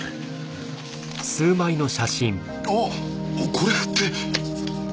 これって。